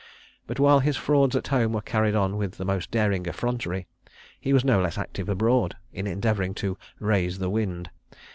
But while his frauds at home were carried on with the most daring effrontery, he was no less active abroad, in endeavouring to "raise the wind."